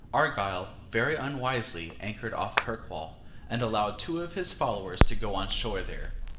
Argyle very unwisely anchored off Kirkwall, and allowed two of his followers to go on shore there.